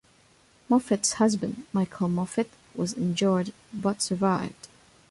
Moffit's husband, Michael Moffitt, was injured but survived.